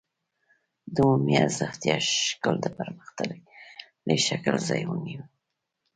د عمومي ارزښت شکل د پرمختللي شکل ځای ونیو